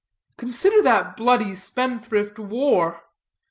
Consider that bloody spendthrift, War.